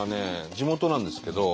地元なんですけど。